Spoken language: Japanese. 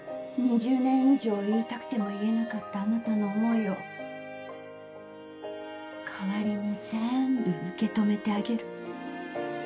２０年以上言いたくても言えなかったあなたの思いを代わりに全部受け止めてあげる。